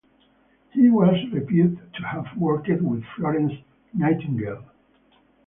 He was reputed to have worked with Florence Nightingale.